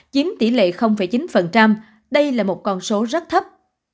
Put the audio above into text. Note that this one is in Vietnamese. chiếm tỷ lệ chín đây là một con số rất thấp